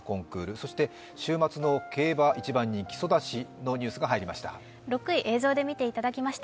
そして週末の競馬、一番人気ソダシのニュースが入りました。